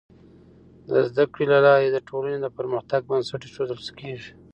د زده کړي له لارې د ټولني د پرمختګ بنسټ ایښودل کيږي.